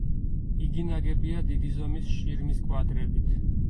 იგი ნაგებია დიდი ზომის შირიმის კვადრებით.